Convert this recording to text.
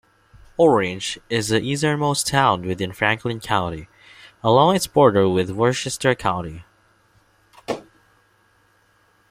Orange is the easternmost town within Franklin County along its border with Worcester County.